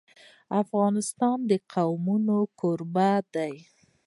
افغانستان د قومونه کوربه دی.